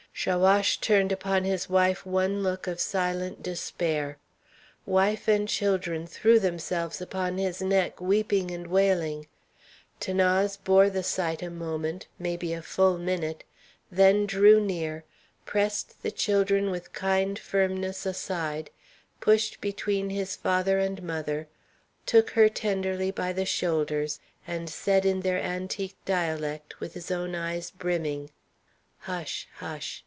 Chaouache turned upon his wife one look of silent despair. Wife and children threw themselves upon his neck, weeping and wailing. 'Thanase bore the sight a moment, maybe a full minute; then drew near, pressed the children with kind firmness aside, pushed between his father and mother, took her tenderly by the shoulders, and said in their antique dialect, with his own eyes brimming: "Hush! hush!